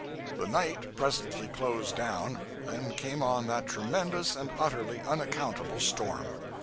The night presently closed down. Then came on that tremendous and utterly unaccountable storm.